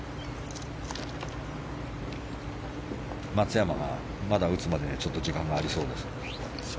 松山が打つまで、まだちょっと時間がありそうです。